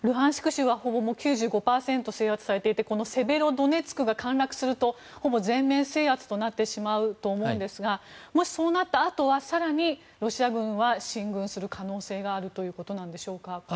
州はほぼ９５％制圧されていてセベロドネツクが陥落するとほぼ全面制圧となってしまうと思うんですがもし、そうなったあとは更にロシア軍は進軍する可能性があるということなんでしょうか。